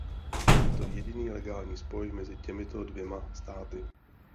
Je to jediný legální spoj mezi těmito dvěma státy.